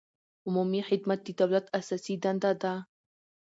عمومي خدمت د دولت اساسي دنده ده.